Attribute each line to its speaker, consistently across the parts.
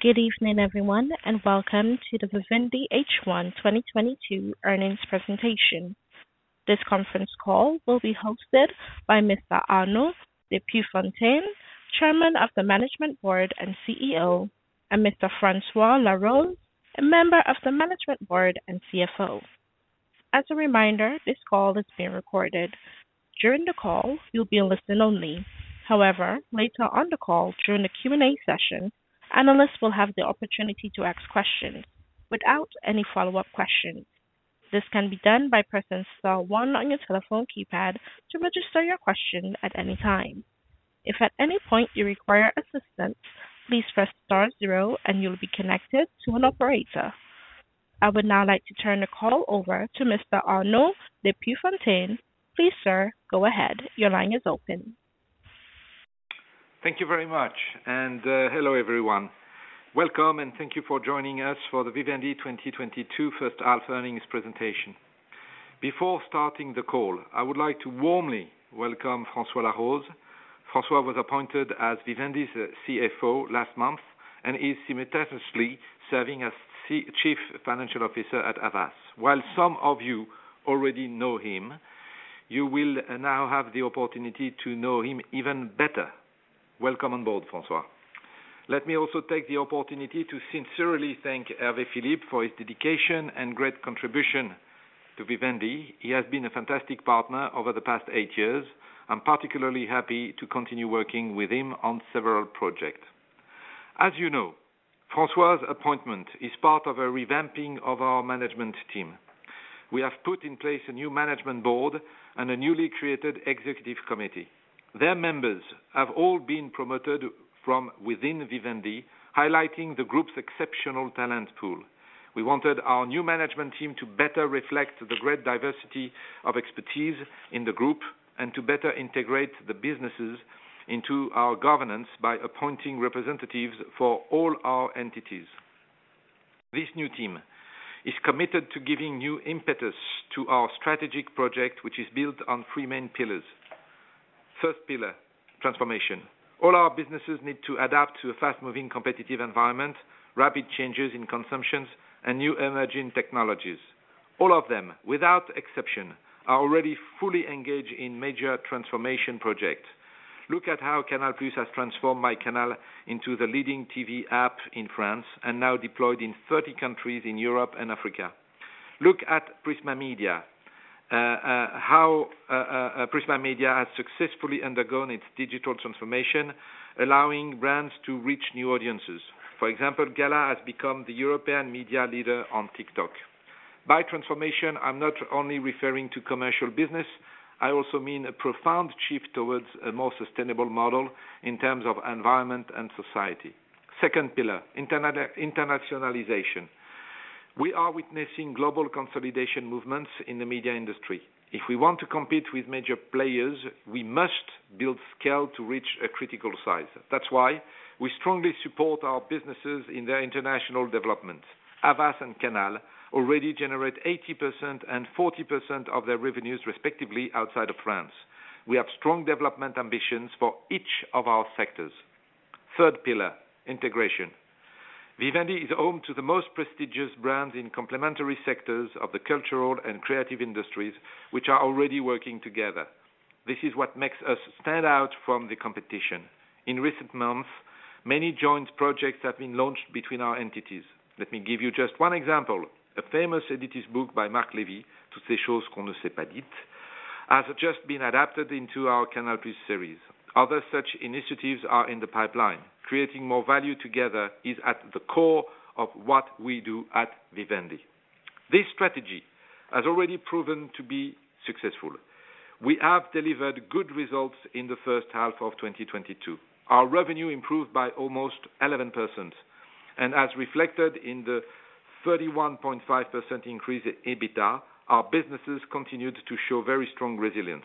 Speaker 1: Good evening, everyone, and welcome to the Vivendi H1 2022 earnings presentation. This conference call will be hosted by Mr. Arnaud de Puyfontaine, Chairman of the Management Board and CEO, and Mr. François Laroze, a member of the Management Board and CFO. As a reminder, this call is being recorded. During the call, you'll be listen only. However, later on the call during the Q&A session, analysts will have the opportunity to ask questions without any follow-up questions. This can be done by pressing star one on your telephone keypad to register your question at any time. If at any point you require assistance, please press star zero and you'll be connected to an operator. I would now like to turn the call over to Mr. Arnaud de Puyfontaine. Please, sir, go ahead. Your line is open.
Speaker 2: Thank you very much. Hello, everyone. Welcome, and thank you for joining us for the Vivendi 2022 first half earnings presentation. Before starting the call, I would like to warmly welcome François Laroze. François was appointed as Vivendi's CFO last month and is simultaneously serving as Chief Financial Officer at Havas. While some of you already know him, you will now have the opportunity to know him even better. Welcome on board, François. Let me also take the opportunity to sincerely thank Hervé Philippe for his dedication and great contribution to Vivendi. He has been a fantastic partner over the past eight years. I'm particularly happy to continue working with him on several projects. As you know, François's appointment is part of a revamping of our management team. We have put in place a new management board and a newly created executive committee. Their members have all been promoted from within Vivendi, highlighting the group's exceptional talent pool. We wanted our new management team to better reflect the great diversity of expertise in the group and to better integrate the businesses into our governance by appointing representatives for all our entities. This new team is committed to giving new impetus to our strategic project, which is built on three main pillars. First pillar, transformation. All our businesses need to adapt to a fast-moving competitive environment, rapid changes in consumptions, and new emerging technologies. All of them, without exception, are already fully engaged in major transformation projects. Look at how Canal+ has transformed myCANAL into the leading TV app in France and now deployed in 30 countries in Europe and Africa. Look at Prisma Media. Prisma Media has successfully undergone its digital transformation, allowing brands to reach new audiences. For example, Gala has become the European media leader on TikTok. By transformation, I'm not only referring to commercial business, I also mean a profound shift towards a more sustainable model in terms of environment and society. Second pillar, internationalization. We are witnessing global consolidation movements in the media industry. If we want to compete with major players, we must build scale to reach a critical size. That's why we strongly support our businesses in their international development. Havas and Canal already generate 80% and 40% of their revenues, respectively, outside of France. We have strong development ambitions for each of our sectors. Third pillar, integration. Vivendi is home to the most prestigious brands in complementary sectors of the cultural and creative industries, which are already working together. This is what makes us stand out from the competition. In recent months, many joint projects have been launched between our entities. Let me give you just one example. A famous Editis book by Marc Levy, Toutes ces choses qu'on ne s'est pas dites, has just been adapted into our Canal+ series. Other such initiatives are in the pipeline. Creating more value together is at the core of what we do at Vivendi. This strategy has already proven to be successful. We have delivered good results in the first half of 2022. Our revenue improved by almost 11%. As reflected in the 31.5% increase in EBITDA, our businesses continued to show very strong resilience.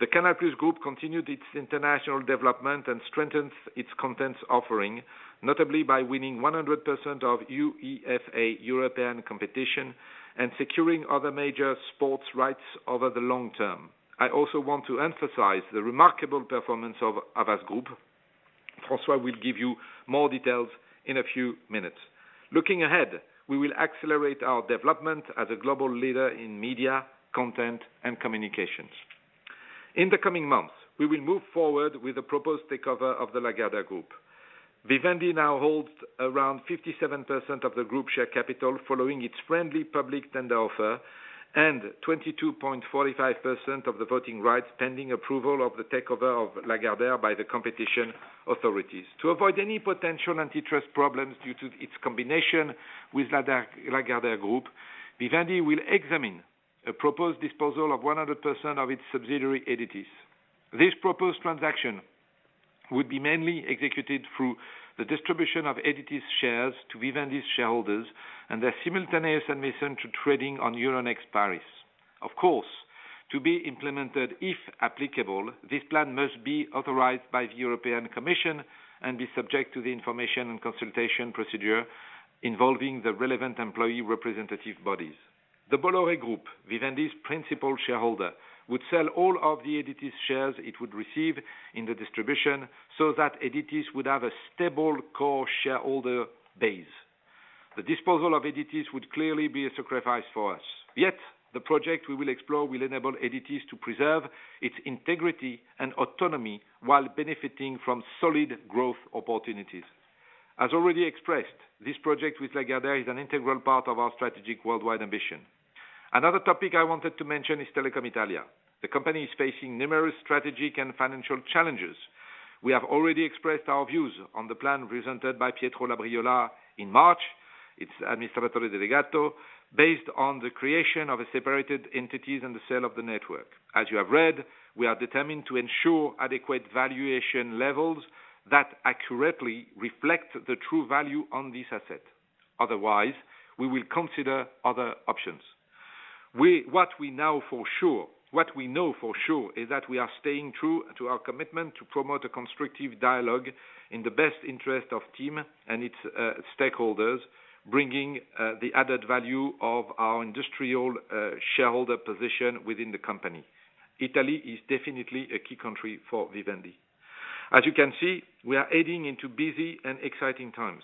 Speaker 2: The Canal+ Group continued its international development and strengthens its contents offering, notably by winning 100% of UEFA European competition and securing other major sports rights over the long term. I also want to emphasize the remarkable performance of Havas Group. François will give you more details in a few minutes. Looking ahead, we will accelerate our development as a global leader in media, content, and communications. In the coming months, we will move forward with a proposed takeover of the Lagardère Group. Vivendi now holds around 57% of the group share capital following its friendly public tender offer and 22.45% of the voting rights pending approval of the takeover of Lagardère by the competition authorities. To avoid any potential antitrust problems due to its combination with Lagardère Group, Vivendi will examine a proposed disposal of 100% of its subsidiary, Editis. This proposed transaction would be mainly executed through the distribution of Editis shares to Vivendi shareholders and their simultaneous admission to trading on Euronext Paris. Of course, to be implemented, if applicable, this plan must be authorized by the European Commission and be subject to the information and consultation procedure involving the relevant employee representative bodies. The Bolloré Group, Vivendi's principal shareholder, would sell all of the Editis shares it would receive in the distribution so that Editis would have a stable core shareholder base. The disposal of Editis would clearly be a sacrifice for us. Yet, the project we will explore will enable Editis to preserve its integrity and autonomy while benefiting from solid growth opportunities. As already expressed, this project with Lagardère is an integral part of our strategic worldwide ambition. Another topic I wanted to mention is Telecom Italia. The company is facing numerous strategic and financial challenges. We have already expressed our views on the plan presented by Pietro Labriola in March, its Amministratore Delegato, based on the creation of separate entities and the sale of the network. As you have read, we are determined to ensure adequate valuation levels that accurately reflect the true value of this asset. Otherwise, we will consider other options. What we know for sure is that we are staying true to our commitment to promote a constructive dialogue in the best interest of TIM and its stakeholders, bringing the added value of our industrial shareholder position within the company. Italy is definitely a key country for Vivendi. As you can see, we are heading into busy and exciting times.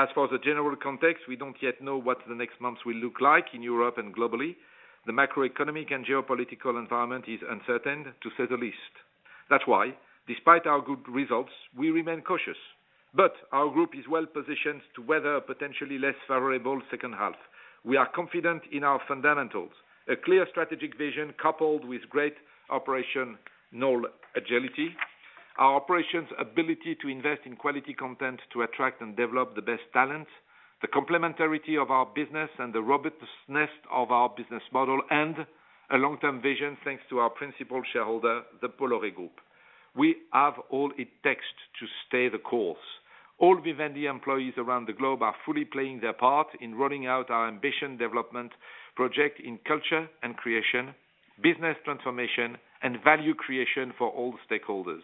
Speaker 2: As for the general context, we don't yet know what the next months will look like in Europe and globally. The macroeconomic and geopolitical environment is uncertain to say the least. That's why, despite our good results, we remain cautious. Our group is well-positioned to weather a potentially less favorable second half. We are confident in our fundamentals. A clear strategic vision coupled with great operational agility. Our operational ability to invest in quality content to attract and develop the best talent, the complementarity of our business and the robustness of our business model, and a long-term vision thanks to our principal shareholder, the Bolloré Group. We have all it takes to stay the course. All Vivendi employees around the globe are fully playing their part in rolling out our ambitious development project in culture and creation, business transformation, and value creation for all stakeholders.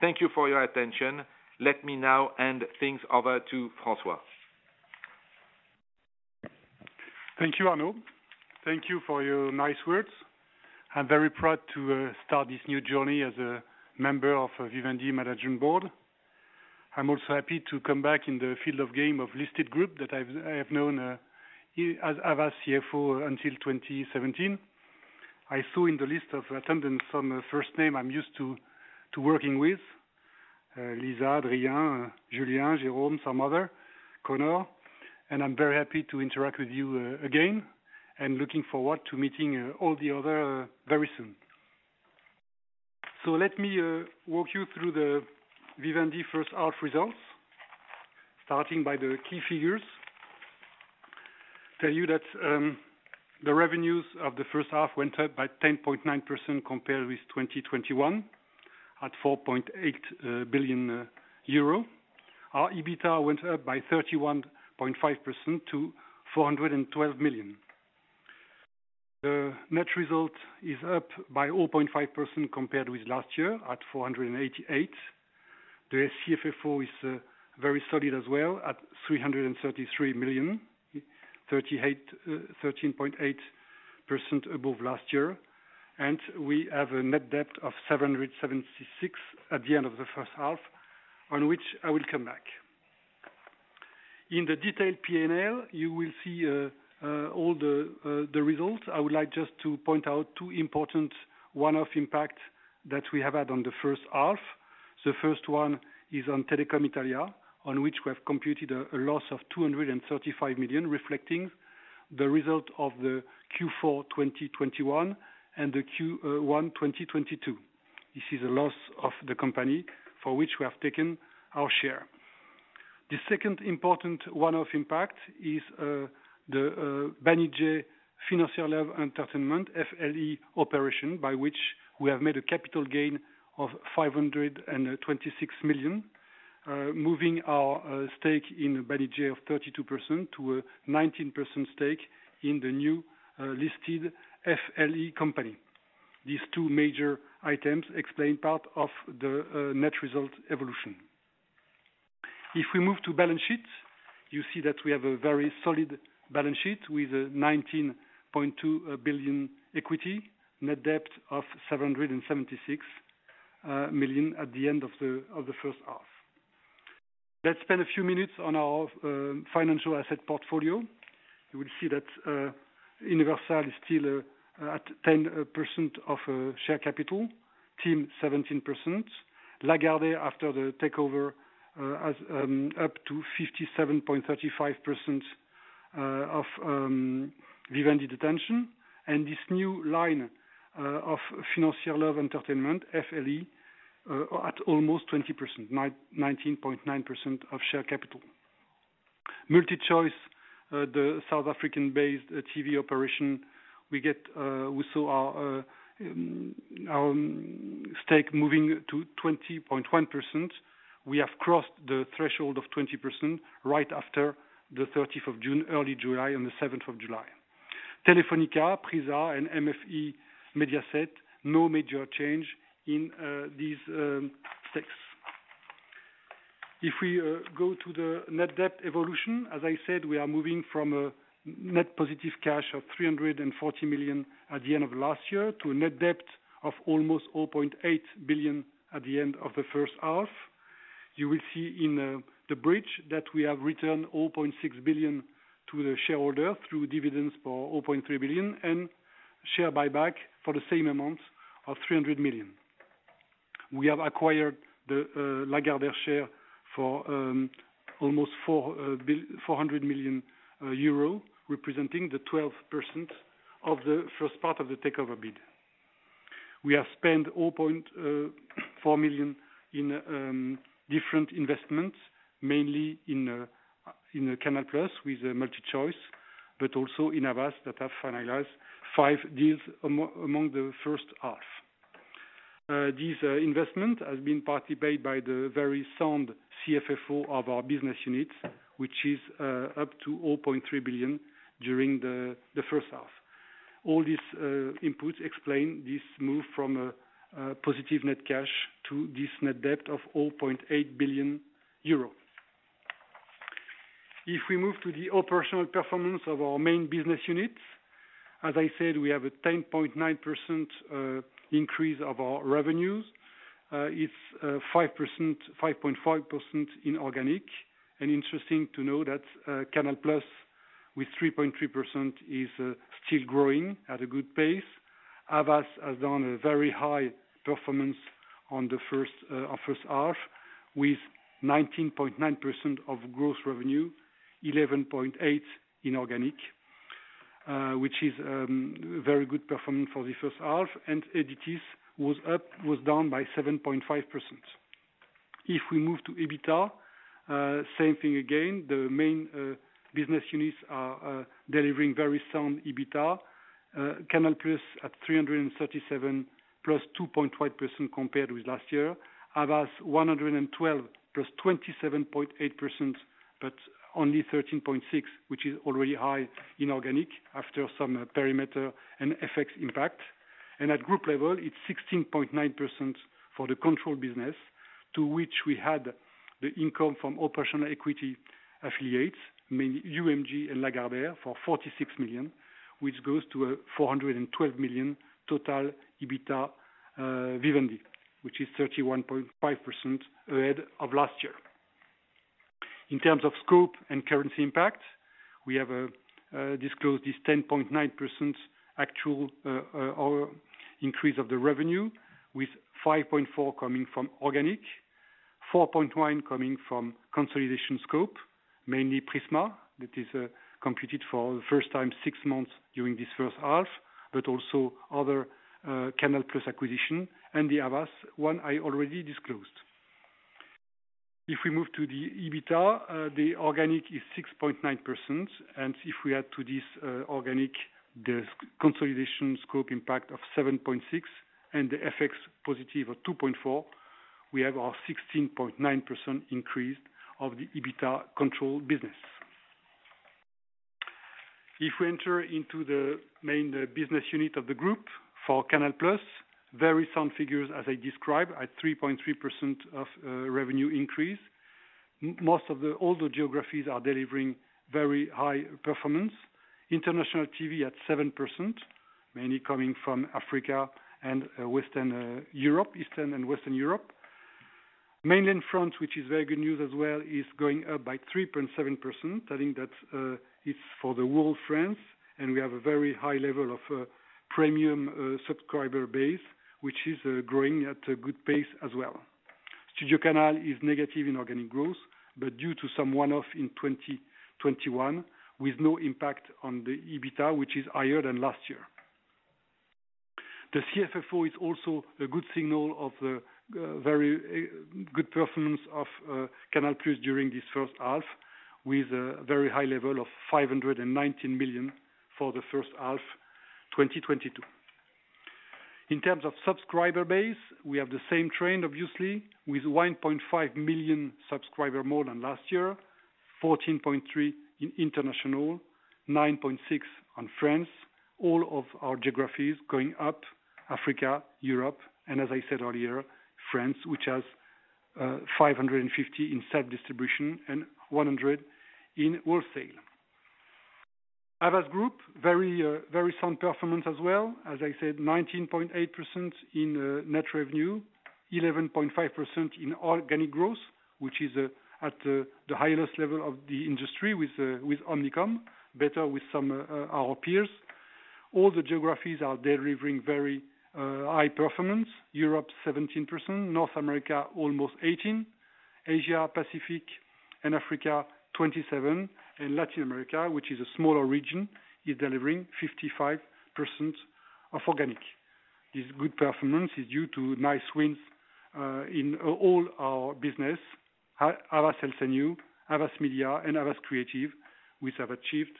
Speaker 2: Thank you for your attention. Let me now hand things over to François.
Speaker 3: Thank you, Arnaud. Thank you for your nice words. I'm very proud to start this new journey as a member of Vivendi Management Board. I'm also happy to come back in the field of governance of a listed group that I have known as CFO until 2017. I saw in the list of attendees the first names I'm used to working with, Lisa, Adrien, Julien, Jérôme, some other, Conor, and I'm very happy to interact with you again and looking forward to meeting all the others very soon. Let me walk you through the Vivendi first half results, starting by the key figures. Tell you that the revenues of the first half went up by 10.9% compared with 2021 at 4.8 billion euro. Our EBITDA went up by 31.5% to 412 million. The net result is up by 0.5% compared with last year at 488 million. The CFFO is very solid as well at 333 million, 13.8% Above last year. We have a net debt of 776 million at the end of the first half on which I will come back. In the detailed P&L, you will see all the results. I would like just to point out two important one-off impact that we have had on the first half. The first one is on Telecom Italia, on which we have computed a loss of 235 million, reflecting the result of the Q4 2021 and the Q1 2022. This is a loss of the company for which we have taken our share. The second important one-off impact is the FL Entertainment, FLE operation, by which we have made a capital gain of 526 million, moving our stake in Banijay of 32% to a 19% stake in the new listed FLE company. These two major items explain part of the net result evolution. If we move to balance sheet, you see that we have a very solid balance sheet with a 19.2 billion equity, net debt of 776 million at the end of the first half. Let's spend a few minutes on our financial asset portfolio. You will see that Universal is still at 10% of share capital, TIM 17%, Lagardère after the takeover has up to 57.35% of Vivendi détention, and this new line of FL Entertainment, FLE, at almost 20%, 19.9% of share capital. MultiChoice, the South African-based TV operation, we saw our stake moving to 20.1%. We have crossed the threshold of 20% right after the 13th of June, early July, on the seventh of July. Telefónica, Prisa, and MFE-MediaForEurope, no major change in these stakes. If we go to the net debt evolution, as I said, we are moving from a net positive cash of 340 million at the end of last year to a net debt of almost 0.8 billion at the end of the first half. You will see in the bridge that we have returned 0.6 billion to the shareholder through dividends for 0.3 billion and share buyback for the same amount of 300 million. We have acquired the Lagardère share for almost 400 million euro, representing the 12% of the first part of the takeover bid. We have spent 0.4 million in different investments, mainly in Canal+ with MultiChoice, but also in Havas that have finalized five deals among the first half. This investment has been partly paid by the very sound CFFO of our business units, which is up to 0.3 billion during the first half. All these inputs explain this move from a positive net cash to this net debt of 0.8 billion euro. If we move to the operational performance of our main business units, as I said, we have a 10.9% increase of our revenues. It's 5%, 5.5% inorganic. Interesting to know that Canal+ with 3.3% is still growing at a good pace. Havas has done a very high performance in our first half with 19.9% of gross revenue, 11.8 inorganic, which is very good performance for the first half. Editis was down by 7.5%. If we move to EBITDA, same thing again, the main business units are delivering very sound EBITDA, Canal+ at 337 +2.5% compared with last year. Havas 112 +27.8%, but only 13.6, which is already high inorganic after some perimeter and FX impact. At group level, it's 16.9% for the control business, to which we had the income from operational equity affiliates, mainly UMG and Lagardère, for 46 million, which goes to 412 million total EBITDA, Vivendi, which is 31.5% ahead of last year. In terms of scope and currency impact, we have disclosed this 10.9% actual or increase of the revenue with five point four coming from organic, four point one coming from consolidation scope, mainly Prisma. That is completed for the first time six months during this first half, but also other Canal+ acquisition and the Havas one I already disclosed. If we move to the EBITDA, the organic is 6.9%. If we add to this organic, the consolidation scope impact of seven point six and the FX positive of two point four, we have our 16.9% increase of the EBITDA control business. If we enter into the main business unit of the group for Canal+, very sound figures as I describe at 3.3% of revenue increase. All the geographies are delivering very high performance. International TV at 7%, mainly coming from Africa and Western Europe, Eastern and Western Europe. Mainland France, which is very good news as well, is going up by 3.7%. I think that it's for the whole France, and we have a very high level of premium subscriber base, which is growing at a good pace as well. StudioCanal is negative in organic growth, but due to some one-off in 2021 with no impact on the EBITDA, which is higher than last year. The CFFO is also a good signal of the very good performance of Canal+ during this first half, with a very high level of 519 million for the first half, 2022. In terms of subscriber base, we have the same trend, obviously, with 1.5 million subscriber more than last year, 14.3 in international, 9.6 on France. All of our geographies going up, Africa, Europe, and as I said earlier, France, which has 550 in self-distribution and 100 in wholesale. Havas Group, very very sound performance as well. As I said, 19.8% in net revenue, 11.5% in organic growth, which is at the highest level of the industry with Omnicom, better than some of our peers. All the geographies are delivering very high performance. Europe 17%, North America almost 18%, Asia Pacific and Africa 27%, and Latin America, which is a smaller region, is delivering 55% organic. This good performance is due to nice wins in all our business, Havas Health & You, Havas Media, and Havas Creative, which have achieved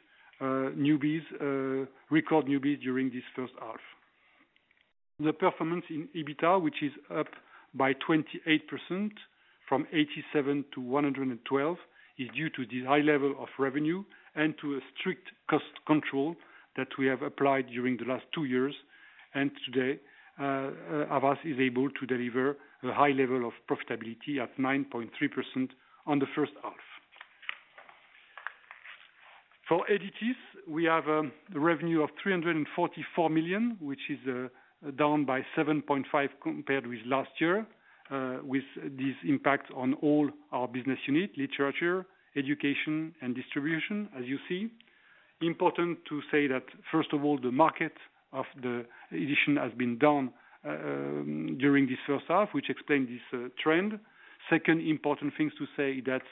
Speaker 3: new business, record new business during this first half. The performance in EBITDA, which is up by 28% from 87 to 112, is due to the high level of revenue and to a strict cost control that we have applied during the last two years. Today, Havas is able to deliver a high level of profitability at 9.3% on the first half. For Editis we have the revenue of 344 million, which is down by 7.5% compared with last year, with this impact on all our business unit literature, education and distribution, as you see. Important to say that first of all, the market of the edition has been down during this first half, which explained this trend. Second important things to say that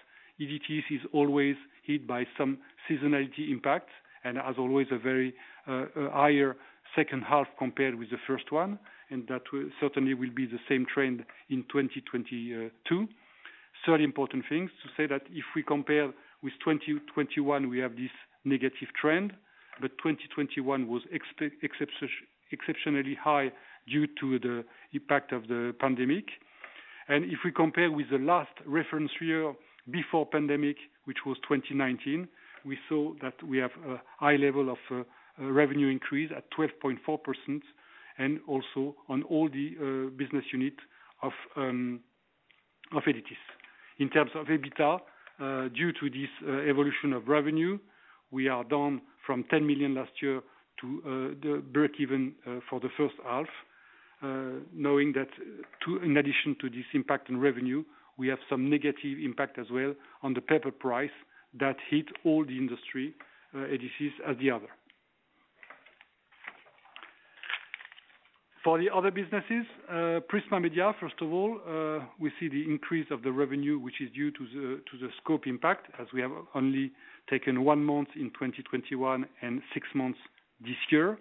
Speaker 3: Editis is always hit by some seasonality impacts and as always, a very higher second half compared with the first one, and that will certainly be the same trend in 2022. Third important things to say that if we compare with 2021, we have this negative trend, but 2021 was exceptionally high due to the impact of the pandemic. If we compare with the last reference year before pandemic, which was 2019, we saw that we have a high level of revenue increase at 12.4% and also on all the business unit of Editis. In terms of EBITDA, due to this evolution of revenue, we are down from 10 million last year to the breakeven for the first half. Knowing that too, in addition to this impact in revenue, we have some negative impact as well on the paper price that hit all the industry, Editis as the others. For the other businesses, Prisma Media, first of all, we see the increase of the revenue, which is due to the scope impact as we have only taken one month in 2021 and six months this year,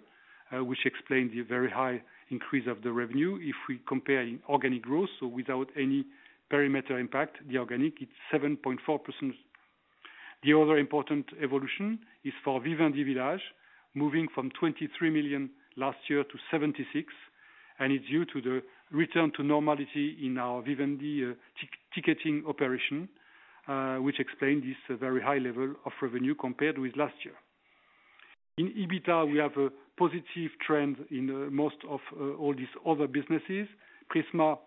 Speaker 3: which explained the very high increase of the revenue. If we compare in organic growth, so without any perimeter impact, the organic, it's 7.4%. The other important evolution is for Vivendi Village, moving from 23 million last year to 76 million, and it's due to the return to normality in our Vivendi ticketing operation, which explained this very high level of revenue compared with last year. In EBITDA, we have a positive trend in most of all these other businesses. Prisma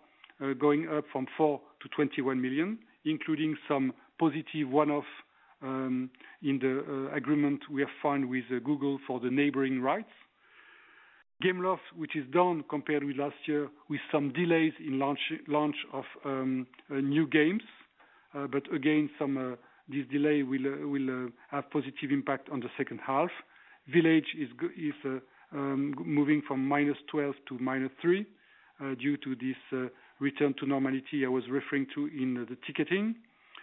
Speaker 3: going up from 4 million-21 million, including some positive one-off in the agreement we have signed with Google for the neighboring rights. Gameloft, which is down compared with last year with some delays in launch of new games. But again, this delay will have positive impact on the second half. Village is moving from -12 million--3 million, due to this return to normality I was referring to in the ticketing.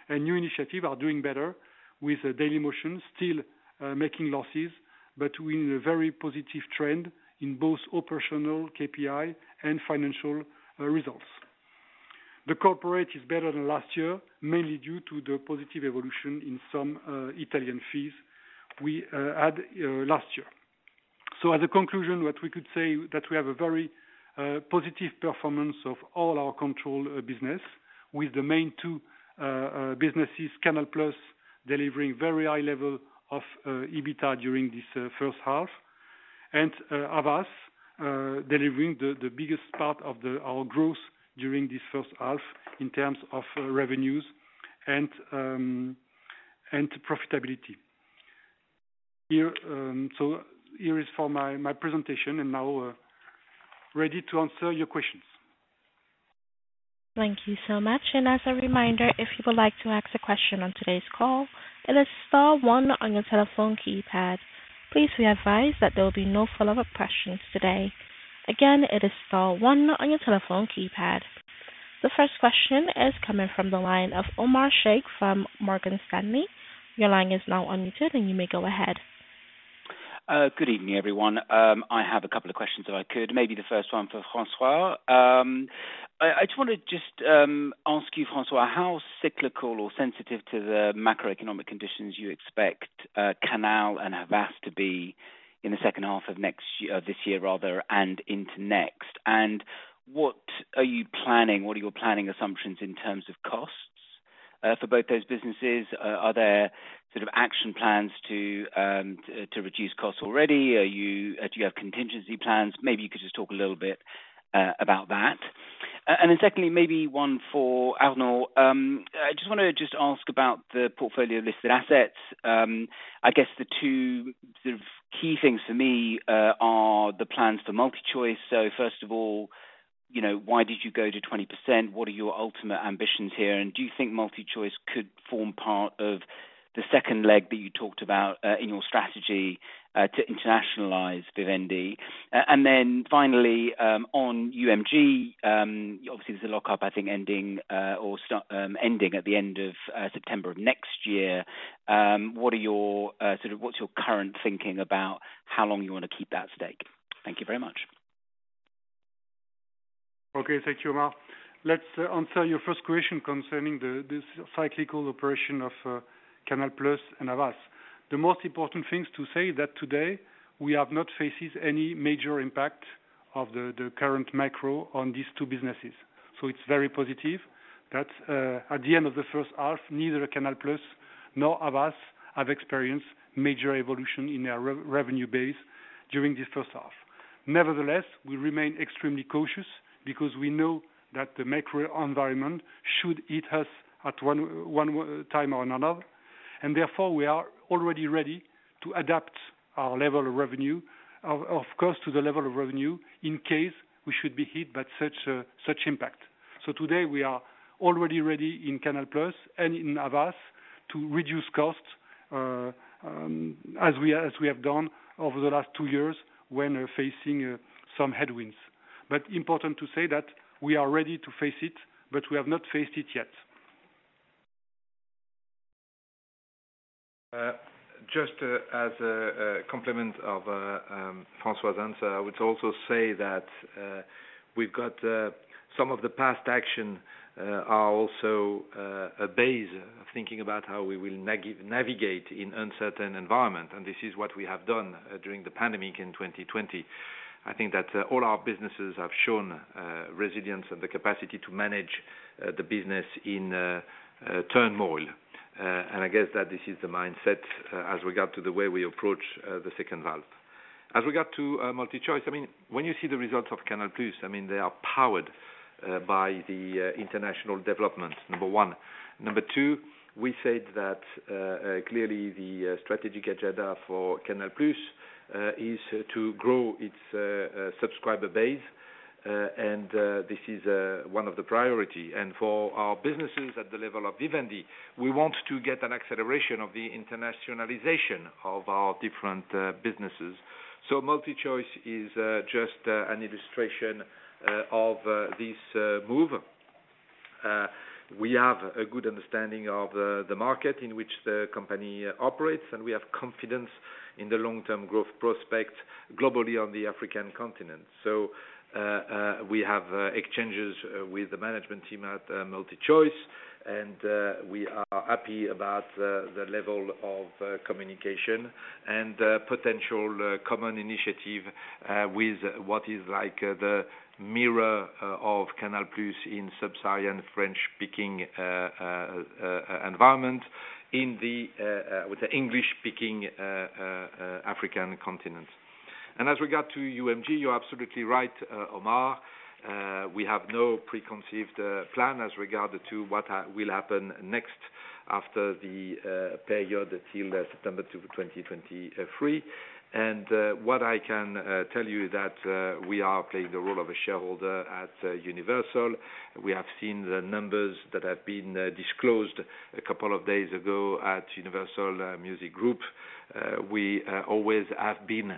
Speaker 3: A new initiative are doing better with Dailymotion still making losses, but we're in a very positive trend in both operational KPI and financial results. The corporate is better than last year, mainly due to the positive evolution in some Italian fees we had last year. As a conclusion, what we could say that we have a very positive performance of all our controlled business with the main two businesses, Canal+ delivering very high level of EBITDA during this first half, and Havas delivering the biggest part of our growth during this first half in terms of revenues and profitability. Here, here is for my presentation and now ready to answer your questions.
Speaker 1: Thank you so much. As a reminder, if you would like to ask a question on today's call, it is star one on your telephone keypad. Please be advised that there will be no follow-up questions today. Again, it is star one on your telephone keypad. The first question is coming from the line of Omar Sheikh from Morgan Stanley. Your line is now unmuted, and you may go ahead.
Speaker 4: Good evening, everyone. I have a couple of questions, if I could. Maybe the first one for François. I just wanna ask you, François, how cyclical or sensitive to the macroeconomic conditions you expect Canal and Havas to be in the second half of next year, this year rather, and into next. What are you planning? What are your planning assumptions in terms of costs for both those businesses? Are there sort of action plans to reduce costs already? Do you have contingency plans? Maybe you could just talk a little bit about that. And then secondly, maybe one for Arnaud. I just wanna ask about the portfolio of listed assets. I guess the two sort of key things for me are the plans for MultiChoice. First of all, you know, why did you go to 20%? What are your ultimate ambitions here? Do you think MultiChoice could form part of the second leg that you talked about in your strategy to internationalize Vivendi? Finally, on UMG, obviously there's a lockup, I think ending at the end of September of next year. What's your current thinking about how long you wanna keep that stake? Thank you very much.
Speaker 3: Okay. Thank you, Omar. Let's answer your first question concerning the cyclical operation of Canal+ and Havas. The most important thing is to say that today we have not faced any major impact of the current macro on these two businesses. It's very positive that at the end of the first half, neither Canal+ nor Havas have experienced major evolution in their revenue base during this first half. Nevertheless, we remain extremely cautious because we know that the macro environment should hit us at one time or another, and therefore we are already ready to adapt our level of revenue of course to the level of revenue in case we should be hit by such impact. Today we are already ready in Canal+ and in Havas to reduce costs, as we have done over the last two years when facing some headwinds. Important to say that we are ready to face it, but we have not faced it yet.
Speaker 2: Just as a complement of François' answer, I would also say that we've got some of the past action are also a base of thinking about how we will navigate in uncertain environment, and this is what we have done during the pandemic in 2020. I think that all our businesses have shown resilience and the capacity to manage the business in turmoil. I guess that this is the mindset as regard to the way we approach the second half. As regard to MultiChoice, I mean, when you see the results of Canal+, I mean, they are powered by the international development, number one. Number two, we said that clearly the strategic agenda for Canal+ is to grow its subscriber base. This is one of the priority. For our businesses at the level of Vivendi, we want to get an acceleration of the internationalization of our different businesses. MultiChoice is just an illustration of this move. We have a good understanding of the market in which the company operates, and we have confidence in the long-term growth prospects globally on the African continent. We have exchanges with the management team at MultiChoice, and we are happy about the level of communication and potential common initiative with what is like the mirror of Canal+ in sub-Saharan French-speaking environment with the English-speaking African continent. As regards to UMG, you're absolutely right, Omar. We have no preconceived plan as regards what will happen next after the pay period till September 2023. What I can tell you is that we are playing the role of a shareholder at Universal. We have seen the numbers that have been disclosed a couple of days ago at Universal Music Group. We always have been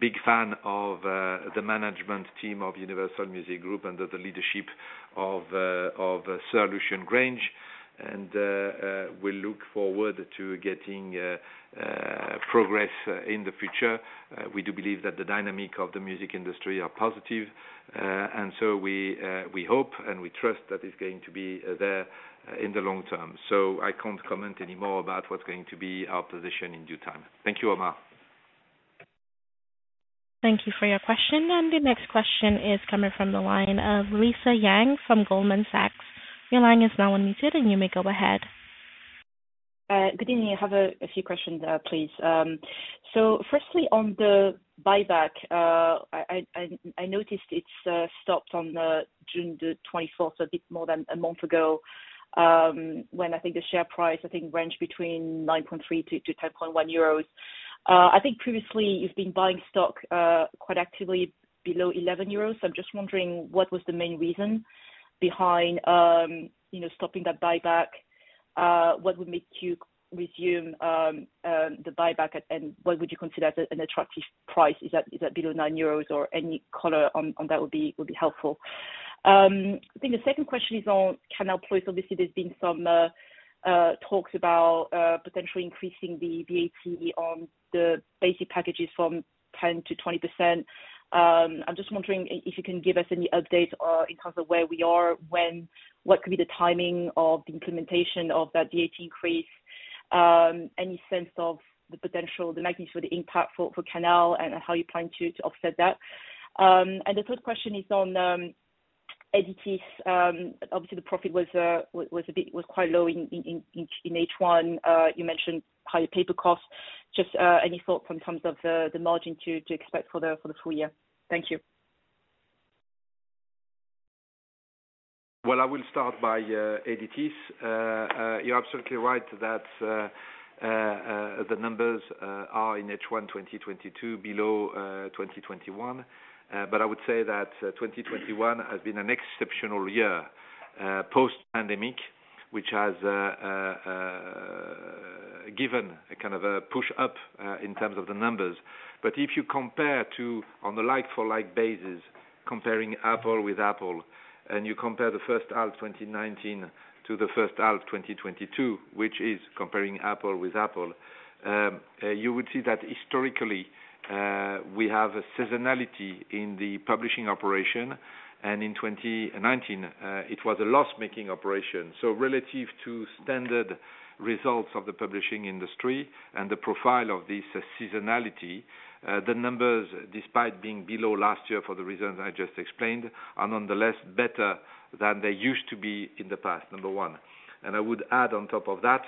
Speaker 2: big fan of the management team of Universal Music Group under the leadership of Sir Lucian Grainge. We look forward to getting progress in the future. We do believe that the dynamic of the music industry are positive. We hope and we trust that it's going to be there in the long term. I can't comment any more about what's going to be our position in due time. Thank you, Omar.
Speaker 1: Thank you for your question. The next question is coming from the line of Lisa Yang from Goldman Sachs. Your line is now unmuted, and you may go ahead.
Speaker 5: Good evening. I have a few questions, please. Firstly on the buyback, I noticed it's stopped on June 24th, so a bit more than a month ago, when I think the share price ranged between 9.3-10.1 euros. I think previously you've been buying stock quite actively below 11 euros. I'm just wondering what was the main reason behind you know stopping that buyback. What would make you resume the buyback, and what would you consider an attractive price. Is that below 9 euros or any color on that would be helpful. I think the second question is on Canal+. Obviously, there's been some talks about potentially increasing the VAT on the basic packages from 10%-20%. I'm just wondering if you can give us any updates in terms of where we are, what could be the timing of the implementation of that VAT increase? Any sense of the potential magnitude of the impact for Canal+ and how you plan to offset that? The third question is on Editis', obviously, the profit was a bit quite low in H1. You mentioned higher paper costs. Just any thought in terms of the margin to expect for the full year? Thank you.
Speaker 2: Well, I will start by Editis. You're absolutely right that the numbers are in H1 2022 below 2021. I would say that 2021 has been an exceptional year post-pandemic, which has given a kind of a push up in terms of the numbers. If you compare to on the like-for-like basis, comparing apples to apples, and you compare the first half 2019 to the first half 2022, which is comparing apples to apples, you would see that historically we have a seasonality in the publishing operation, and in 2019 it was a loss-making operation. Relative to standard results of the publishing industry and the profile of this seasonality, the numbers, despite being below last year for the reasons I just explained, are nonetheless better than they used to be in the past, number one. I would add on top of that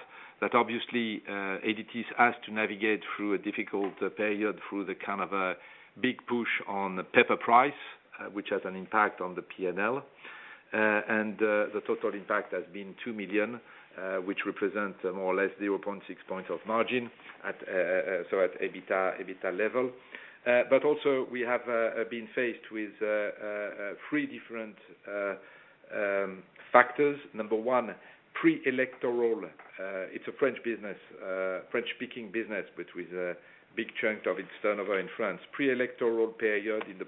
Speaker 2: obviously, Editis has to navigate through a difficult period through the kind of a big push on the paper price, which has an impact on the P&L. The total impact has been 2 million, which represents more or less 0.6 points of margin at so at EBITDA level. But also we have been faced with three different factors. Number one, pre-electoral, it's a French business, French-speaking business, but with a big chunk of its turnover in France. Pre-electoral period in the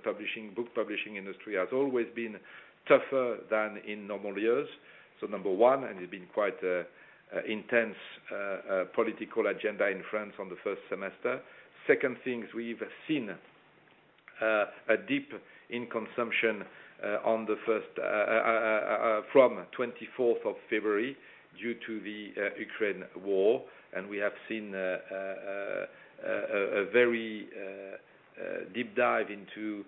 Speaker 2: book publishing industry has always been tougher than in normal years. Number one, it's been quite intense political agenda in France on the first semester. Second thing is we've seen a dip in consumption on the first from 24th of February due to the Ukraine war. We have seen a very deep dip into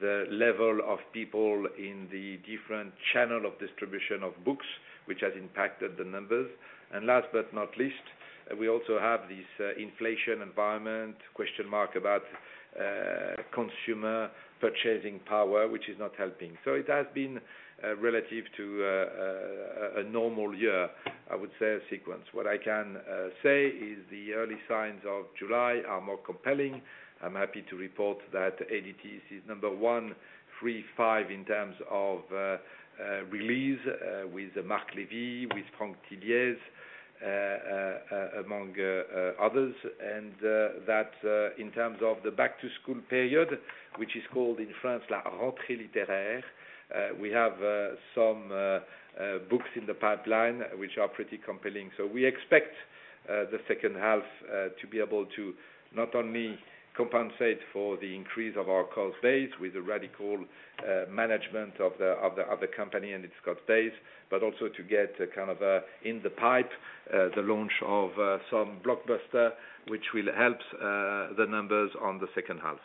Speaker 2: the level of people in the different channel of distribution of books, which has impacted the numbers. Last but not least, we also have this inflation environment question mark about consumer purchasing power, which is not helping. It has been relative to a normal year, I would say, a sequence. What I can say is the early signs of July are more compelling. I'm happy to report that Editis is number one, three, five in terms of release with Marc Levy, with Franck Thilliez, among others, and that in terms of the back to school period, which is called in France, La Rentrée Littéraire. We have some books in the pipeline, which are pretty compelling. We expect the second half to be able to not only compensate for the increase of our cost base with a radical management of the company and its cost base, but also to get kind of in the pipeline the launch of some blockbuster which will help the numbers on the second half.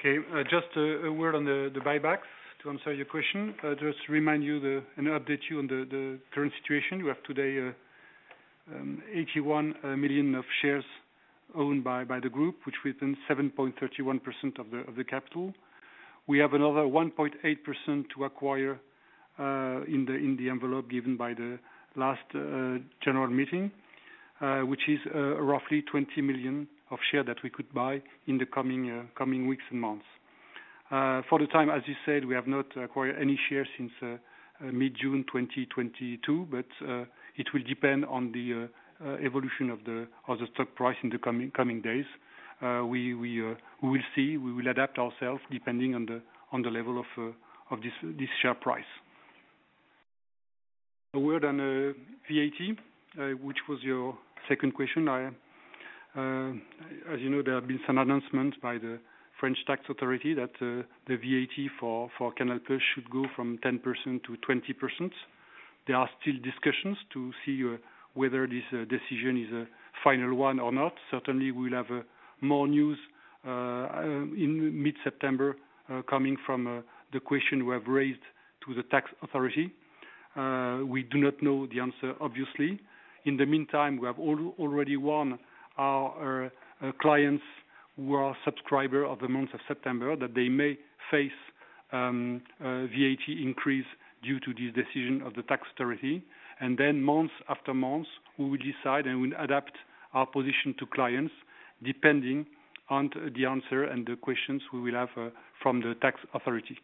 Speaker 3: Okay. Just a word on the buybacks to answer your question. Just to remind you and update you on the current situation. We have today 81 million shares owned by the group, which is 7.31% of the capital. We have another 1.8% to acquire in the envelope given by the last general meeting, which is roughly 20 million shares that we could buy in the coming weeks and months. For the time, as you said, we have not acquired any shares since mid-June 2022, but it will depend on the evolution of the stock price in the coming days. We will see. We will adapt ourselves depending on the level of this share price. A word on VAT, which was your second question. As you know, there have been some announcements by the French tax authority that the VAT for Canal+ should go from 10%-20%. There are still discussions to see whether this decision is a final one or not. Certainly, we'll have more news in mid-September coming from the question we have raised to the tax authority. We do not know the answer, obviously. In the meantime, we have already warned our clients who are subscriber of the month of September that they may face a VAT increase due to this decision of the tax authority. Month after month, we will decide and we'll adapt our position to clients, depending on the answer and the questions we will have from the tax authority.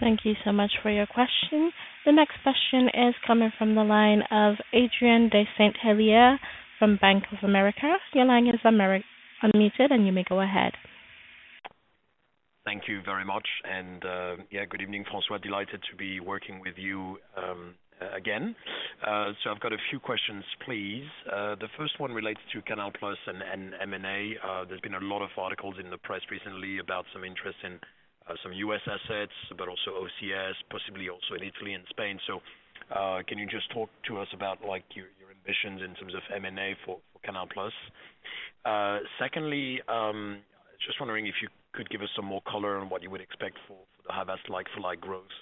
Speaker 1: Thank you so much for your question. The next question is coming from the line of Adrien de Saint Hilaire from Bank of America. Your line is unmuted, and you may go ahead.
Speaker 6: Thank you very much. Yeah, good evening, François. Delighted to be working with you again. I've got a few questions, please. The first one relates to Canal+ and M&A. There's been a lot of articles in the press recently about some interest in some U.S. assets, but also OCS, possibly also in Italy and Spain. Can you just talk to us about like your ambitions in terms of M&A for Canal+? Secondly, just wondering if you could give us some more color on what you would expect for the Havas like-for-like growth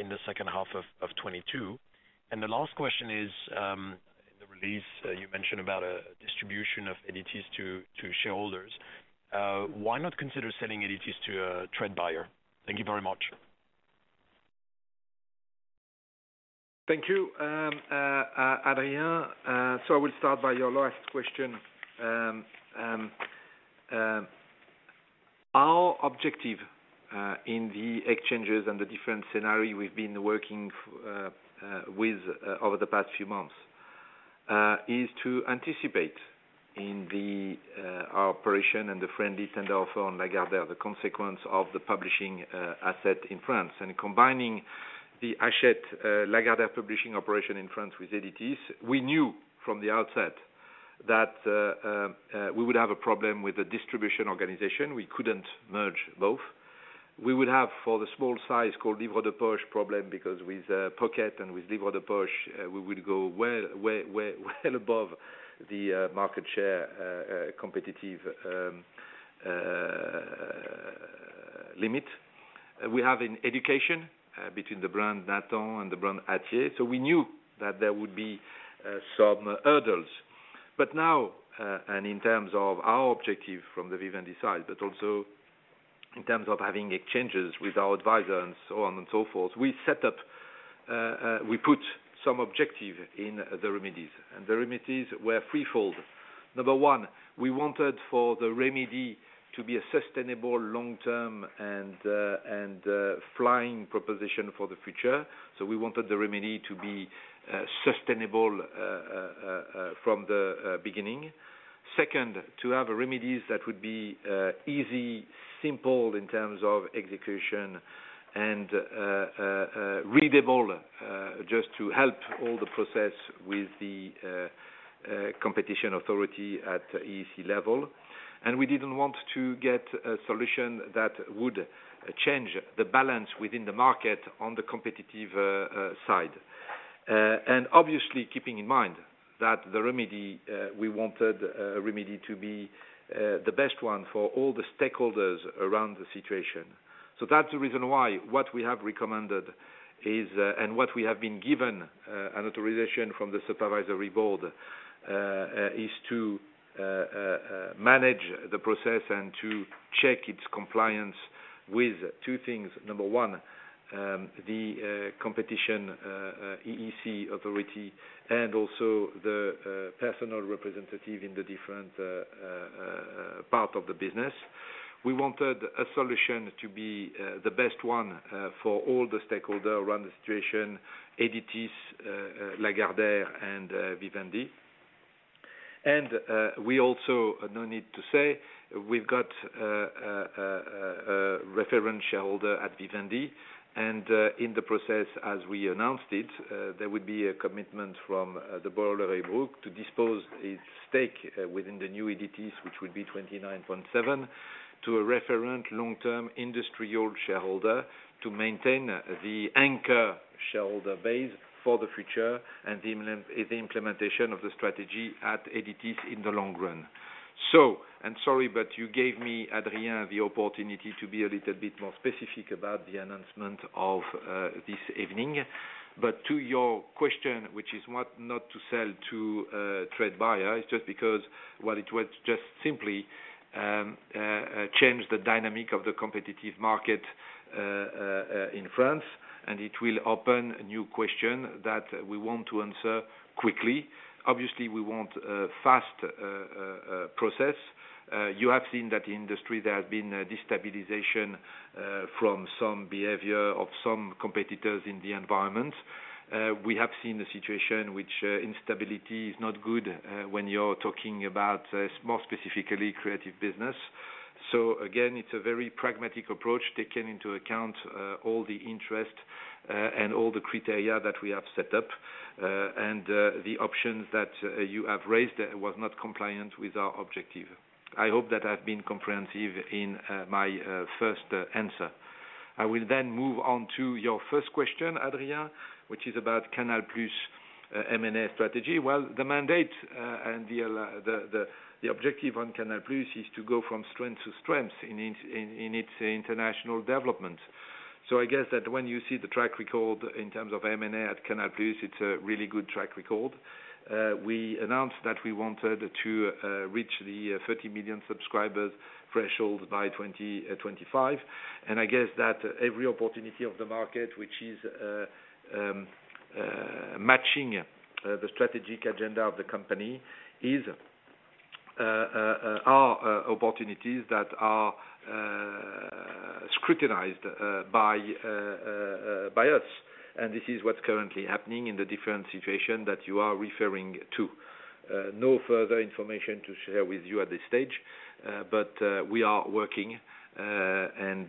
Speaker 6: in the second half of 2022. The last question is, in the release, you mentioned about a distribution of Editis shares to shareholders. Why not consider selling Editis to a trade buyer? Thank you very much.
Speaker 2: Thank you, Adrien. I will start by your last question. Our objective, in the exchanges and the different scenario we've been working with, over the past few months, is to anticipate in our operation and the friendly tender offer on Lagardère, the consequence of the publishing asset in France. Combining the Hachette, Lagardère publishing operation in France with Editis's, we knew from the outset that we would have a problem with the distribution organization. We couldn't merge both. We would have for the small size called Livre de Poche problem, because with Pocket and with Livre de Poche, we would go way above the market share competitive limit. We have in education between the brand Nathan and the brand Hatier. We knew that there would be some hurdles. Now, in terms of our objective from the Vivendi side, but also in terms of having exchanges with our advisor and so on and so forth, we put some objective in the remedies, and the remedies were threefold. Number one, we wanted for the remedy to be a sustainable long-term and viable proposition for the future. We wanted the remedy to be sustainable from the beginning. Second, to have remedies that would be easy, simple in terms of execution and readable, just to help all the process with the competition authority at EC level. We didn't want to get a solution that would change the balance within the market on the competitive side. Obviously keeping in mind that the remedy, we wanted a remedy to be the best one for all the stakeholders around the situation. That's the reason why what we have recommended is, and what we have been given an authorization from the supervisory board is to manage the process and to check its compliance with two things. Number one, the competition European Commission authority and also the personnel representatives in the different parts of the business. We wanted a solution to be the best one for all the stakeholders around the situation, Editis, Lagardère, and Vivendi. We also, no need to say, we've got a reference shareholder at Vivendi. In the process, as we announced it, there would be a commitment from the Bolloré Group to dispose its stake within the new Editis, which would be 29.7%, to a reference long-term industrial shareholder to maintain the anchor shareholder base for the future and the implementation of the strategy at Editis in the long run. Sorry, but you gave me, Adrien, the opportunity to be a little bit more specific about the announcement of this evening. To your question, which is what not to sell to a trade buyer, it's just because, well, it would just simply change the dynamic of the competitive market in France, and it will open a new question that we want to answer quickly. Obviously, we want a fast process. You have seen that in industry there has been a destabilization from some behavior of some competitors in the environment. We have seen the situation which instability is not good when you're talking about more specifically creative business. Again, it's a very pragmatic approach taking into account all the interest and all the criteria that we have set up. The options that you have raised was not compliant with our objective. I hope that I've been comprehensive in my first answer. I will then move on to your first question, Adrien, which is about Canal+, M&A strategy. Well, the mandate and the objective on Canal+ is to go from strength to strength in its international development. I guess that when you see the track record in terms of M&A at Canal+, it's a really good track record. We announced that we wanted to reach the 30 million subscribers threshold by 2025. I guess that every opportunity of the market which is matching the strategic agenda of the company are opportunities that are scrutinized by us. This is what's currently happening in the different situation that you are referring to. No further information to share with you at this stage. But we are working, and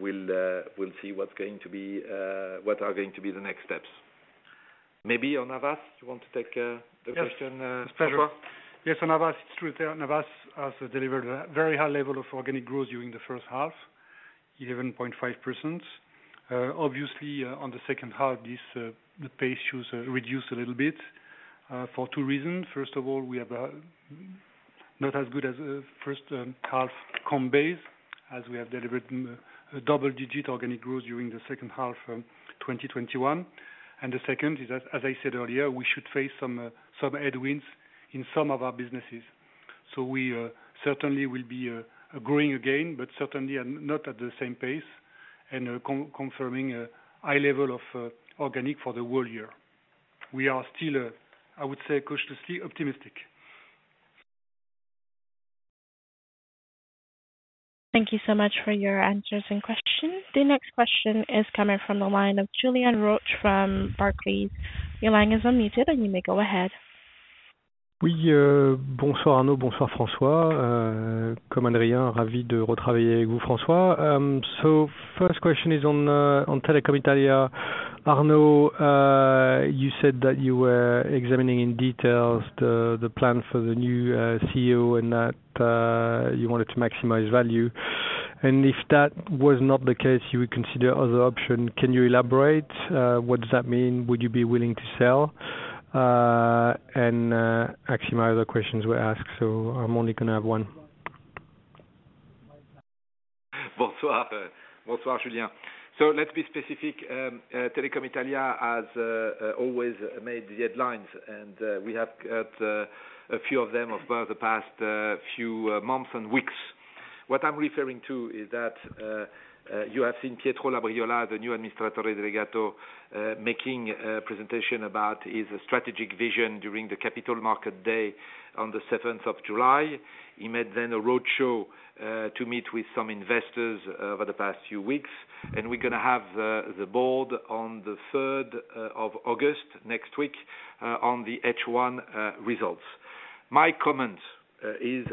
Speaker 2: we'll see what are going to be the next steps. Maybe on Havas, you want to take the question, François?
Speaker 3: Yes, on Havas, it's true. Havas has delivered a very high level of organic growth during the first half, 11.5%. Obviously, on the second half, the pace should reduce a little bit, for two reasons. First of all, we have a not as good as a first half comp base, as we have delivered a double-digit organic growth during the second half of 2021. The second is, as I said earlier, we should face some headwinds in some of our businesses. We certainly will be growing again, but certainly not at the same pace and confirming a high level of organic for the whole year. We are still, I would say, cautiously optimistic.
Speaker 1: Thank you so much for your answers and questions. The next question is coming from the line of Julien Roch from Barclays. Your line is unmuted, and you may go ahead.
Speaker 7: We First question is on Telecom Italia. Arnaud, you said that you were examining in detail the plan for the new CEO and that you wanted to maximize value. If that was not the case, you would consider other option. Can you elaborate? What does that mean? Would you be willing to sell? Actually, my other questions were asked, so I'm only gonna have one.
Speaker 2: Bonsoir. Bonsoir, Julien. Let's be specific. Telecom Italia has always made the headlines, and we have had a few of them over the past few months and weeks. What I'm referring to is that you have seen Pietro Labriola, the new amministratore delegato, making a presentation about his strategic vision during the capital market day on the seventh of July. He made then a roadshow to meet with some investors over the past few weeks. We're gonna have the board on the third of August, next week, on the H1 results. My comment is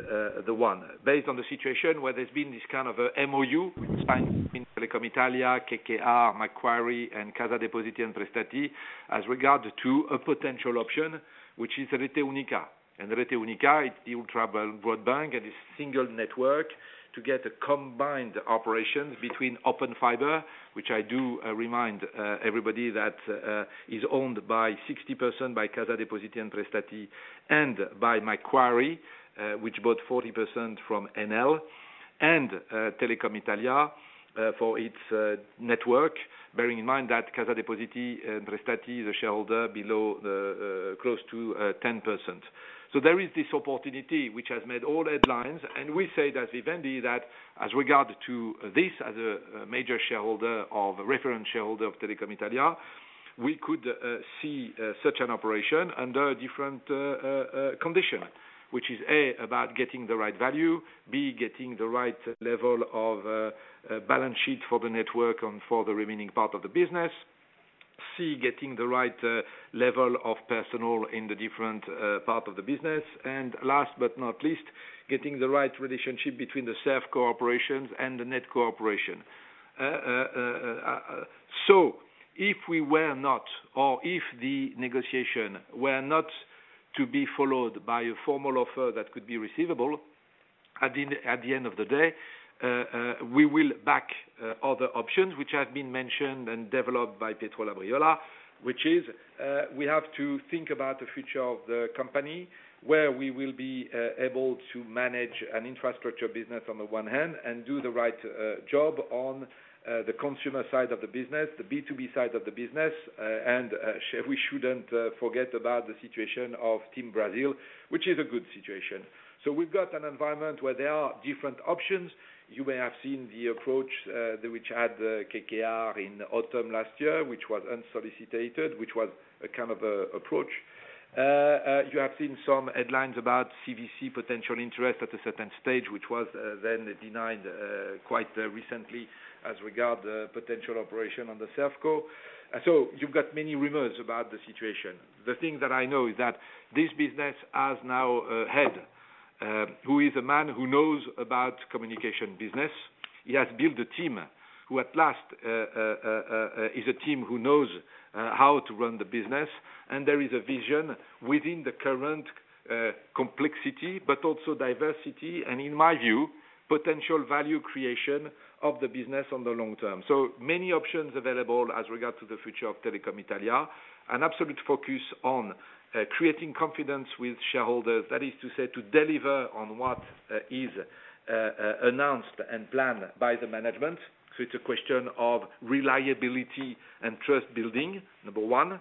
Speaker 2: the one. Based on the situation where there's been this kind of MoU signed between Telecom Italia, KKR, Macquarie and Cassa Depositi e Prestiti as regards to a potential option, which is Rete Unica. Rete Unica is ultra-broadband and a single network to get combined operations between Open Fiber, which I remind everybody that is owned by 60% by Cassa Depositi e Prestiti and by Macquarie, which bought 40% from Enel and Telecom Italia for its network, bearing in mind that Cassa Depositi e Prestiti is a shareholder below the close to 10%. There is this opportunity which has made all headlines, and we say that Vivendi that as regard to this as a major shareholder of reference shareholder of Telecom Italia, we could see such an operation under a different condition. Which is A, about getting the right value. B, getting the right level of balance sheet for the network and for the remaining part of the business. C, getting the right level of personnel in the different part of the business. Last but not least, getting the right relationship between the ServCo and the NetCo. If we were not or if the negotiation were not to be followed by a formal offer that could be acceptable, at the end of the day, we will go back to other options which have been mentioned and developed by Pietro Labriola. Which is, we have to think about the future of the company, where we will be able to manage an infrastructure business on the one hand and do the right job on the consumer side of the business, the B2B side of the business. We shouldn't forget about the situation of TIM Brasil, which is a good situation. We've got an environment where there are different options. You may have seen the approach which had KKR in autumn last year, which was unsolicited, which was a kind of a approach. You have seen some headlines about CVC potential interest at a certain stage, which was then denied quite recently as regards the potential operation on the ServCo. You've got many rumors about the situation. The thing that I know is that this business has now a head, who is a man who knows about communications business. He has built a team who at last is a team who knows how to run the business. There is a vision within the current complexity, but also diversity and in my view, potential value creation of the business in the long term. Many options available as regards the future of Telecom Italia. An absolute focus on creating confidence with shareholders. That is to say, to deliver on what is announced and planned by the management. It's a question of reliability and trust building, number one.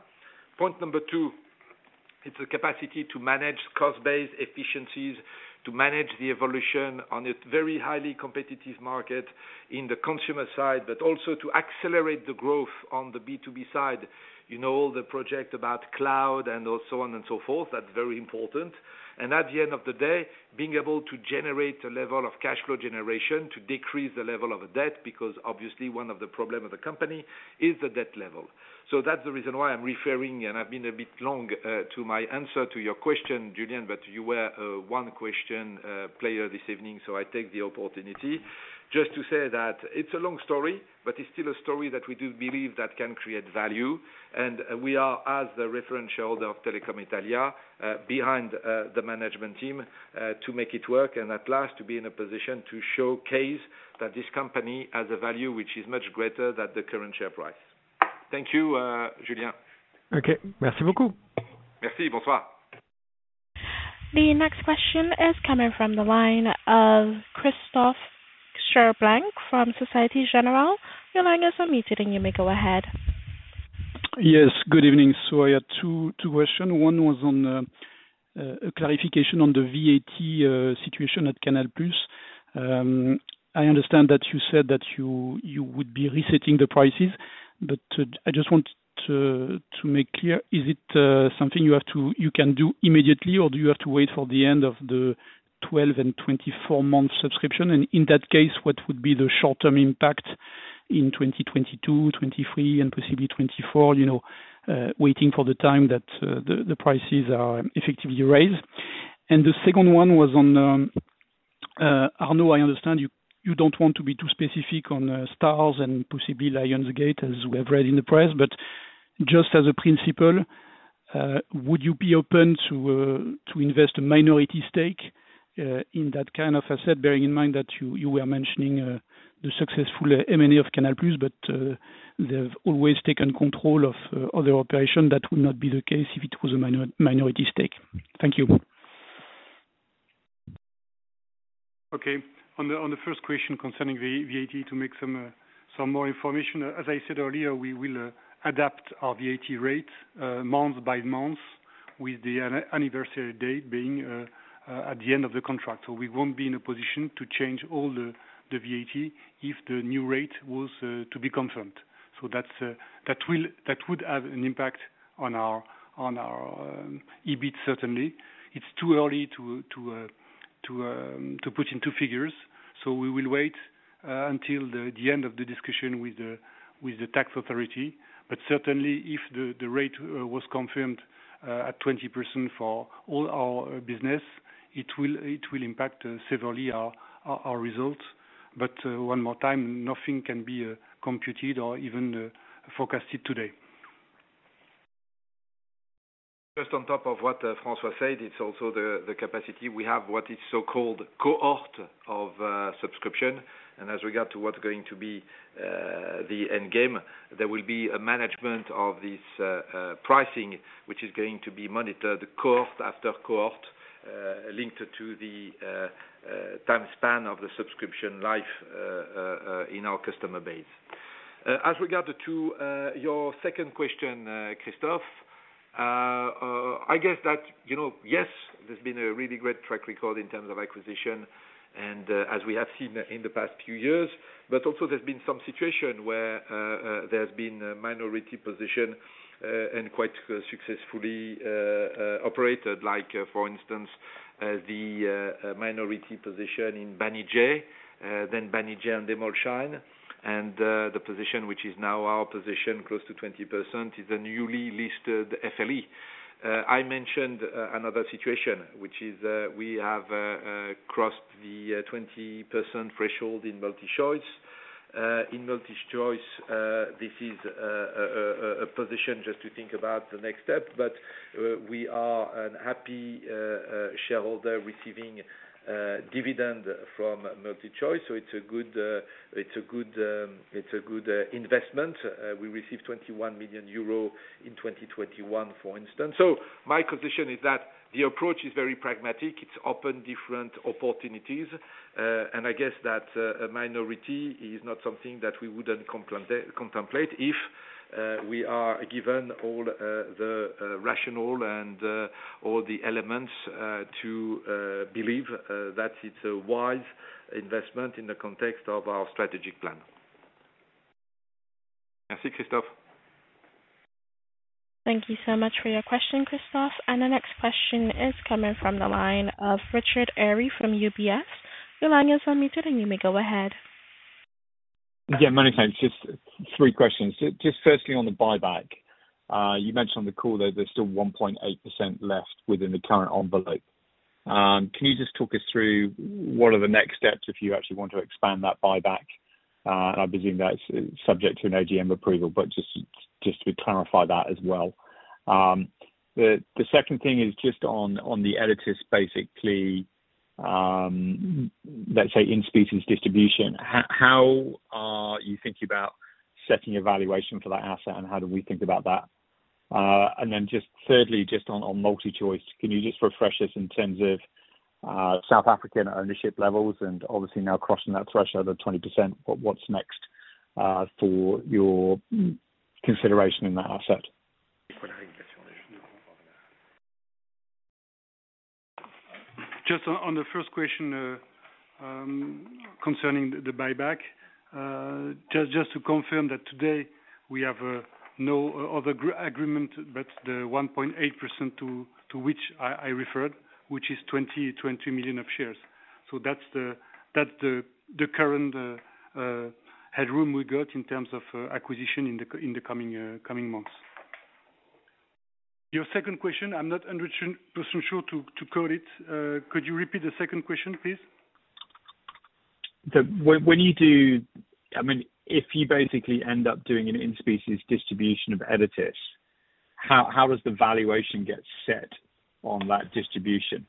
Speaker 2: Point number two, it's the capacity to manage cost-based efficiencies, to manage the evolution on a very highly competitive market in the consumer side, but also to accelerate the growth on the B2B side. You know, all the project about cloud and also AI and so forth, that's very important. At the end of the day, being able to generate a level of cash flow generation to decrease the level of debt, because obviously one of the problem of the company is the debt level. That's the reason why I'm referring, and I've been a bit long to my answer to your question, Julien, but you were one question player this evening. I take the opportunity just to say that it's a long story, but it's still a story that we do believe that can create value. We are, as the reference shareholder of Telecom Italia, behind the management team to make it work and, at last, to be in a position to showcase that this company has a value which is much greater than the current share price. Thank you, Julien.
Speaker 7: Okay. Merci beaucoup.
Speaker 2: Merci. Bonsoir.
Speaker 1: The next question is coming from the line of Christophe Cherblanc from Société Générale. Your line is unmuted and you may go ahead.
Speaker 8: Good evening. I had two questions. One was on a clarification on the VAT situation at Canal+. I understand that you said that you would be resetting the prices, but I just want to make clear, is it something you can do immediately, or do you have to wait for the end of the 12- and 24-month subscription? In that case, what would be the short-term impact in 2022, 2023 and possibly 2024? Waiting for the time that the prices are effectively raised. The second one was on I know, I understand you don't want to be too specific on Starz and possibly Lionsgate, as we have read in the press. Just as a principle, would you be open to invest a minority stake in that kind of asset? Bearing in mind that you were mentioning the successful M&A of Canal+, but they've always taken control of other operation. That would not be the case if it was a minority stake. Thank you.
Speaker 3: Okay. On the first question concerning the VAT, to make some more information. As I said earlier, we will adapt our VAT rate month by month with the anniversary date being at the end of the contract. We won't be in a position to change all the VAT if the new rate was to be confirmed. That would have an impact on our EBIT, certainly. It's too early to put into figures. We will wait until the end of the discussion with the tax authority. Certainly if the rate was confirmed at 20% for all our business, it will impact severely our results. One more time, nothing can be computed or even forecasted today.
Speaker 2: Just on top of what François said, it's also the capacity we have, what is so-called cohort of subscription. As regards to what's going to be the end game, there will be a management of this pricing, which is going to be monitored cohort after cohort, linked to the time span of the subscription life in our customer base. As regards to your second question, Christophe, I guess that, you know, yes, there's been a really great track record in terms of acquisition and as we have seen in the past few years. Also there's been some situations where there's been a minority position and quite successfully operated, like, for instance, the minority position in Banijay, then Banijay and Endemol Shine. The position which is now our position, close to 20% is the newly listed FL Entertainment. I mentioned another situation which is we have crossed the 20% threshold in MultiChoice. In MultiChoice, this is a position just to think about the next step. We are a happy shareholder receiving dividend from MultiChoice, so it's a good investment. We received 21 million euro in 2021, for instance. My position is that the approach is very pragmatic. It opens different opportunities. I guess that a minority is not something that we wouldn't contemplate if we are given all the rationale and all the elements to believe that it's a wise investment in the context of our strategic plan.
Speaker 3: Christophe.
Speaker 1: Thank you so much for your question, Christophe. The next question is coming from the line of Richard Eary from UBS. Your line is unmuted, and you may go ahead.
Speaker 9: Yeah, many thanks. Just three questions. Just firstly, on the buyback, you mentioned on the call that there's still 1.8% left within the current envelope. Can you just talk us through what are the next steps if you actually want to expand that buyback? I presume that's subject to an AGM approval, but just to clarify that as well. The second thing is just on Editis, basically, let's say in specie distribution. How are you thinking about setting a valuation for that asset and how do we think about that? Just thirdly, just on MultiChoice, can you just refresh us in terms of South African ownership levels and obviously now crossing that threshold of 20%, what's next for your consideration in that asset?
Speaker 3: Just on the first question, concerning the buyback, just to confirm that today we have no other agreement but the 1.8% to which I referred, which is 20 million shares. That's the current headroom we got in terms of acquisition in the coming months. Your second question, I'm not 100% sure to quote it. Could you repeat the second question, please?
Speaker 9: When you do, I mean, if you basically end up doing an in-kind distribution of Editis, how does the valuation get set on that distribution?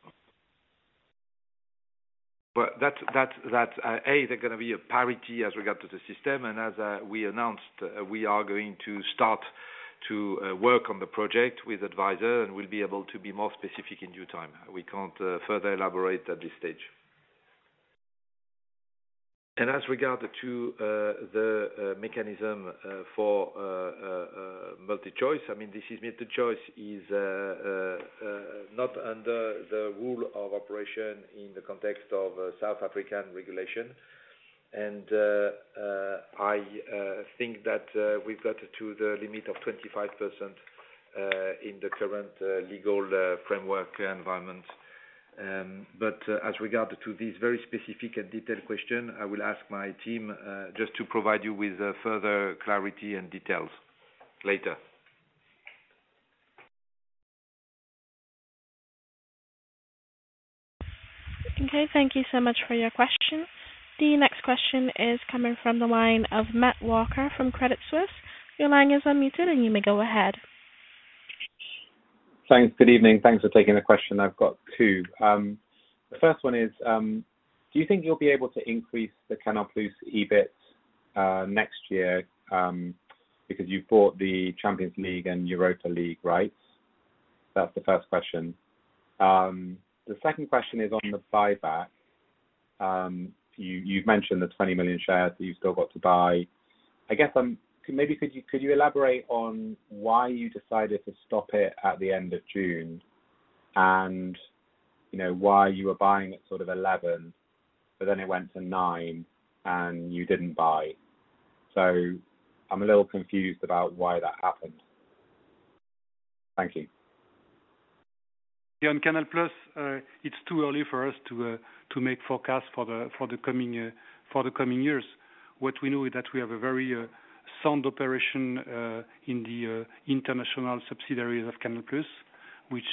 Speaker 2: That's they're gonna be a parity as regard to the system. As we announced, we are going to start to work on the project with advisor, and we'll be able to be more specific in due time. We can't further elaborate at this stage. As regard to the mechanism for MultiChoice, I mean, this is MultiChoice not under the rule of operation in the context of South African regulation. I think that we've got to the limit of 25% in the current legal framework environment. As regard to this very specific and detailed question, I will ask my team just to provide you with further clarity and details later.
Speaker 1: Okay, thank you so much for your question. The next question is coming from the line of Matthew Walker from Credit Suisse. Your line is unmuted, and you may go ahead.
Speaker 10: Thanks. Good evening. Thanks for taking the question. I've got two. The first one is, do you think you'll be able to increase the Canal+ EBIT next year because you bought the Champions League and Europa League rights? That's the first question. The second question is on the buyback. You've mentioned the 20 million shares that you've still got to buy. Maybe could you elaborate on why you decided to stop it at the end of June and, you know, why you were buying at sort of 11, but then it went to 9 and you didn't buy. So I'm a little confused about why that happened. Thank you.
Speaker 3: Yeah, on Canal+, it's too early for us to make forecasts for the coming years. What we know is that we have a very sound operation in the international subsidiaries of Canal+, which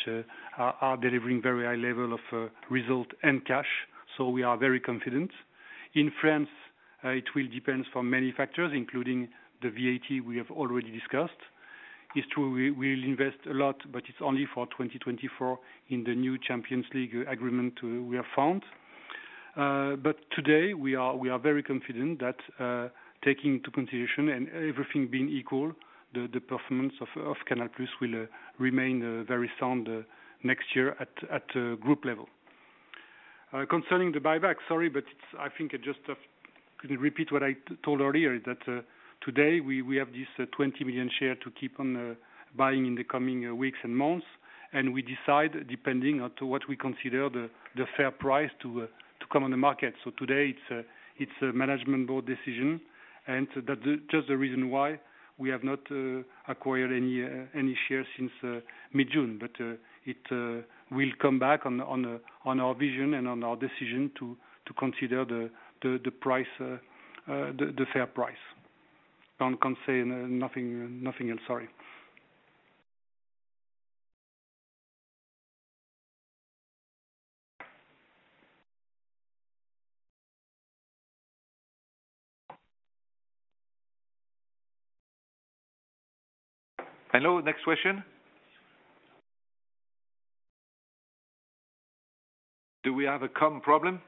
Speaker 3: are delivering very high level of result and cash. We are very confident. In France, it will depends for many factors, including the VAT we have already discussed. It's true, we'll invest a lot, but it's only for 2024 in the new Champions League agreement we have found. Today we are very confident that, taking into consideration and everything being equal, the performance of Canal+ will remain very sound next year at group level. Concerning the buyback, sorry, but it's. I think I just have. Could repeat what I told earlier, that today we have this 20 million shares to keep on buying in the coming weeks and months, and we decide depending on what we consider the fair price to come on the market. Today it's a management board decision, and that's just the reason why we have not acquired any shares since mid-June. It will come back on our vision and on our decision to consider the fair price. Can't say nothing else. Sorry.
Speaker 2: Hello, next question. Do we have a comm problem?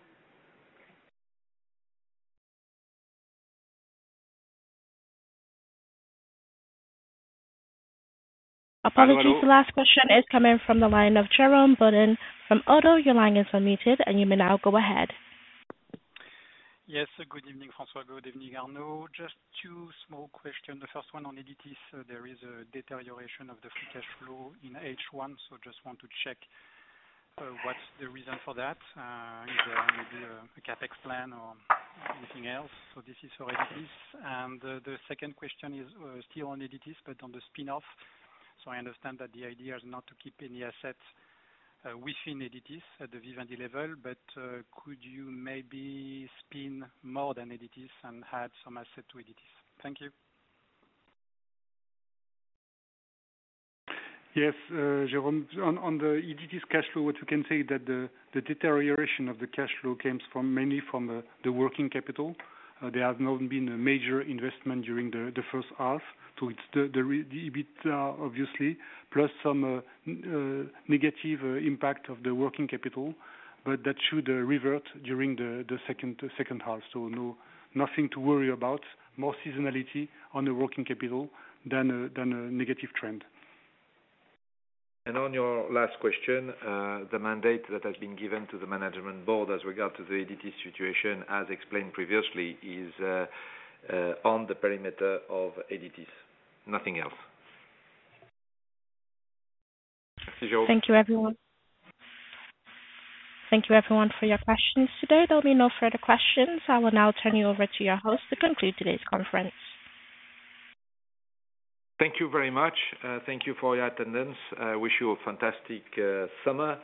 Speaker 1: Apologies. Hello. The last question is coming from the line of Jérôme Bodin from Oddo BHF. Your line is unmuted, and you may now go ahead.
Speaker 11: Yes. Good evening, François. Good evening, Arnaud. Just two small question. The first one on Editis. There is a deterioration of the free cash flow in H1, so just want to check, what's the reason for that? Is there maybe a CapEx plan or anything else? This is for Editis. The second question is, still on Editis, but on the spinoff. I understand that the idea is not to keep any assets, within Editis at the Vivendi level, but, could you maybe spin more than Editis and add some asset to Editis? Thank you.
Speaker 3: Yes, Jérôme. On the Editis cash flow, what you can say that the deterioration of the cash flow comes from mainly from the working capital. There has not been a major investment during the first half, so it's obviously plus some negative impact of the working capital, but that should revert during the second half. No, nothing to worry about. More seasonality on the working capital than a negative trend.
Speaker 2: On your last question, the mandate that has been given to the management board as regards to the Editis situation, as explained previously, is on the perimeter of Editis. Nothing else.
Speaker 3: Thank you, Jérôme.
Speaker 1: Thank you, everyone. Thank you everyone for your questions today. There'll be no further questions. I will now turn you over to your host to conclude today's conference.
Speaker 2: Thank you very much. Thank you for your attendance. I wish you a fantastic summer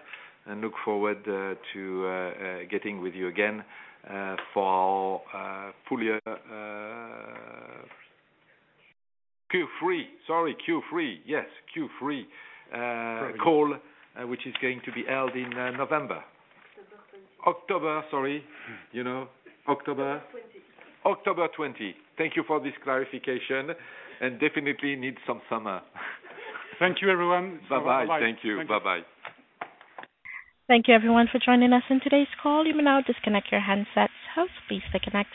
Speaker 2: and look forward to getting with you again for Q3. Sorry, Q3. Yes, Q3.
Speaker 3: Sorry.
Speaker 2: call, which is going to be held in November.
Speaker 1: October 20.
Speaker 2: Sorry. You know, October.
Speaker 1: October 20.
Speaker 2: October 20. Thank you for this clarification. Definitely need some summer.
Speaker 3: Thank you, everyone.
Speaker 2: Bye-bye. Thank you. Bye-bye.
Speaker 1: Thank you everyone for joining us on today's call. You may now disconnect your handsets. Host please disconnect as well.